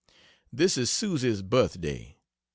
This is Susie's birth day.